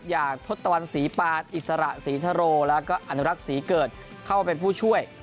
ทศตวรรษีปานอิสระศรีทโรแล้วก็อนุรักษ์ศรีเกิดเข้ามาเป็นผู้ช่วย